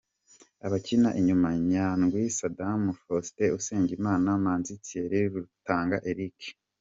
Abakina inyuma: Nyandwi Saddam, Faustin Usengimana, Manzi Thierry, Rutanga Eric.